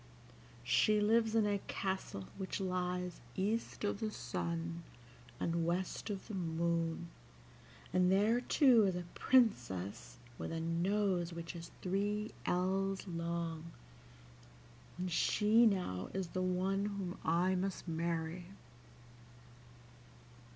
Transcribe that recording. She lives in a castle which lies east of the sun and west of the moon, and there too is a princess with a nose which is three ells long, and she now is the one whom I must marry."